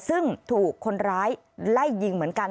ซึ่งถูกคนร้ายไล่ยิงเหมือนกัน